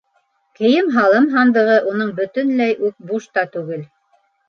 Кейем-һалым һандығы уның бөтөнләй үк буш та түгел.